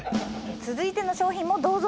続いての商品もどうぞ！